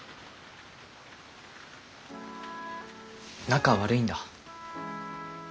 仲悪いんだ。